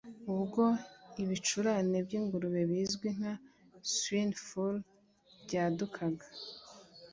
Ubwo ibicurane by'ingurube bizwi nka 'swine fulu – byadukaga,